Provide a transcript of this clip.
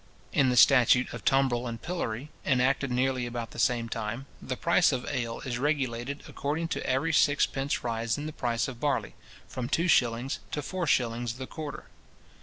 In the statute of Tumbrel and Pillory, enacted nearly about the same time, the price of ale is regulated according to every sixpence rise in the price of barley, from two shillings, to four shillings the quarter.